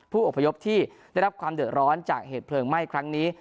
ผู้อพยพที่ได้รับความเดือดร้อนจากเหตุเพลิงไหม้ครั้งนี้